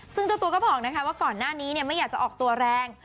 ซึ่งเจ้าตัวก็บอกว่าก่อนหน้านี้ไม่อยากจะออกตัวแรง